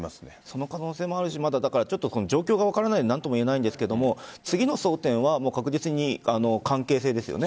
その可能性もあるしちょっと状況が分からないので何とも言えませんが次の争点は確実に関係性ですよね。